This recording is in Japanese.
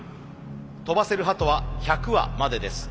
飛ばせる鳩は１００羽までです。